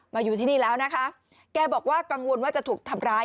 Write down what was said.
อยู่ที่นี่แล้วนะคะแกบอกว่ากังวลว่าจะถูกทำร้าย